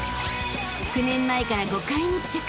［９年前から５回密着］